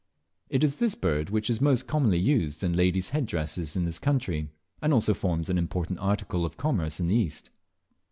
It is this bird which is most commonly used in ladies' head dresses in this country, and also forms an important article of commerce in the East.